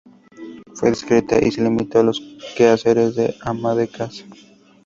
Fue discreta y se limitó a los quehaceres de ama de casa.